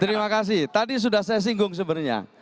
terima kasih tadi sudah saya singgung sebenarnya